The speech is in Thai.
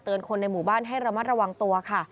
คนในหมู่บ้านให้ระมัดระวังตัวค่ะ